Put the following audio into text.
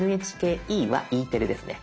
ＮＨＫＥはＥテレですね。